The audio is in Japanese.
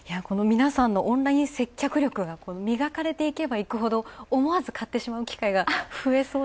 皆さんのオンライン接客力が磨かれていけばいくほど思わず買ってしまう機会が増えそう。